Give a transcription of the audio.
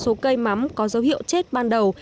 số cây mắm có dấu hiệu chết ban đầu